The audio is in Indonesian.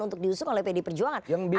untuk diusung oleh pd perjuangan